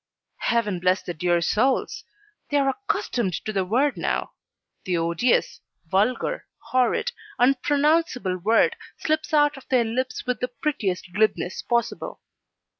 Heaven bless the dear souls! they are accustomed to the word now the odious, vulgar, horrid, unpronounceable word slips out of their lips with the prettiest glibness possible.